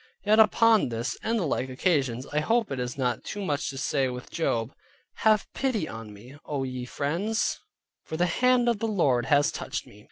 Yet upon this, and the like occasions, I hope it is not too much to say with Job, "Have pity upon me, O ye my Friends, for the Hand of the Lord has touched me."